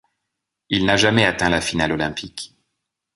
Il n'a jamais atteint la finale olympique.